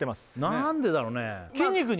何でだろうね